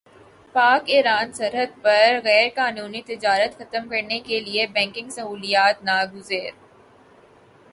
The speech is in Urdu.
پاک ایران سرحد پر غیرقانونی تجارت ختم کرنے کیلئے بینکنگ سہولیات ناگزیر